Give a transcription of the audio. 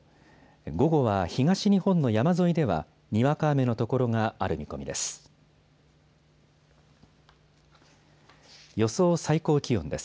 午後は東日本の山沿いでは、にわか雨の所がある見込みです。